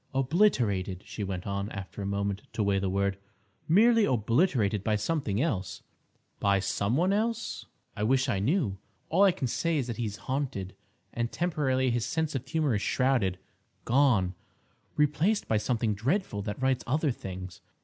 "Obliterated," she went on, after a moment to weigh the word, "merely obliterated by something else—" "By some one else?" "I wish I knew. All I can say is that he is haunted, and temporarily his sense of humour is shrouded—gone—replaced by something dreadful that writes other things.